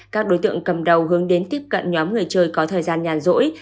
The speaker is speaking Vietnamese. các đối tượng cầm đầu hướng đến tiếp cận nhóm người chơi có thời gian nhàn rỗi